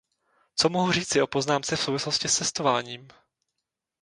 Co mohu říci o poznámce v souvislosti s cestováním?